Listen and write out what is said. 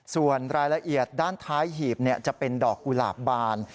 ส่วนรายละเอียดด้านท้ายหีบจะเป็นดอกกุหลาบบาน